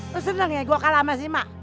lu seneng ya gua kalah sama si emak